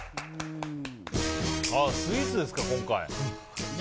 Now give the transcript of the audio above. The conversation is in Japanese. スイーツですか、今回。